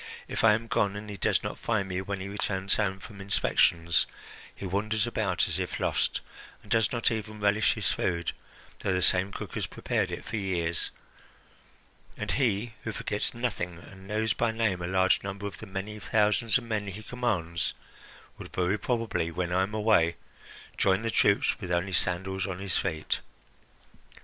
If I am gone and he does not find me when he returns home from inspections, he wanders about as if lost, and does not even relish his food, though the same cook has prepared it for years. And he, who forgets nothing and knows by name a large number of the many thousand men he commands, would very probably, when I am away, join the troops with only sandals on his feet.